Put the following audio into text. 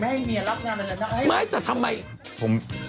แม่เมียรับงานไปใส่คัจแกจะให้ทำไม